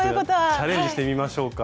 チャレンジしてみましょうか。